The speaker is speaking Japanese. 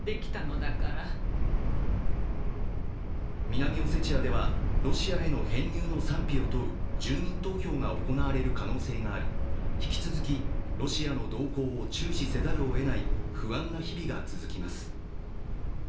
南オセチアでは、ロシアへの編入の賛否を問う住民投票が行われる可能性があり、引き続きロシアの動向を注視せざるをえない不安な日々が続きます。